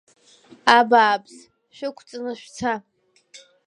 Абааԥс, шәықәҵны шәца!